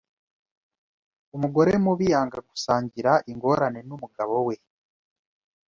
Umugore mubi yanga gusangira ingorane n’umugabo we,